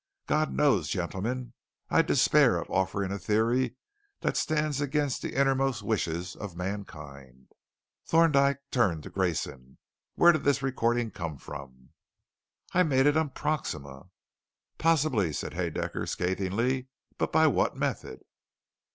God Knows, gentlemen, I despair of offering a theory that stands against the innermost wishes of mankind!" Thorndyke turned to Grayson. "Where did this recording come from?" "I made it on Proxima!" "Possibly," said Haedaecker scathingly, "but by what method?"